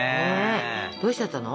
どうしちゃったの？